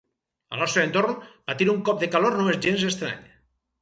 Al nostre entorn, patir un cop de calor no és gens estrany.